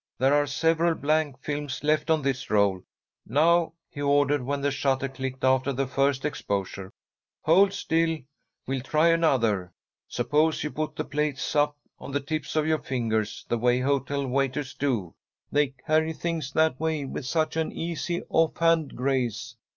"There are several blank films left on this roll. Now," he ordered, when the shutter clicked after the first exposure, "hold still, we'll try another. Suppose you put the plates up on the tips of your fingers, the way hotel waiters do. They carry things that way with such an easy offhand grace.